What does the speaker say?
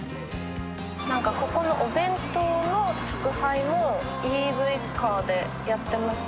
何かここのお弁当の宅配をＥＶカーでやってました。